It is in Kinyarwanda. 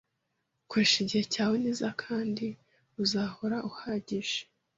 Koresha igihe cyawe neza kandi uzahora uhagije